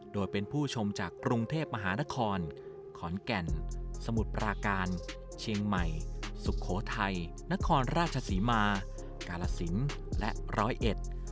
โดยเป็นผู้ชมจากกรุงเทพมหานครขอนแก่นสมุทรปราการเชียงใหม่สุโขทัยนครราชศรีมากาลสินและร้อยเอ็ด